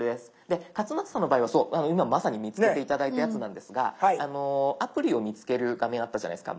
勝俣さんの場合はそう今まさに見つけて頂いたやつなんですがアプリを見つける画面あったじゃないですか。